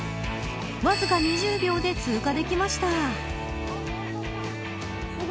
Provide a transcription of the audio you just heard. わずか２０秒で通過できました。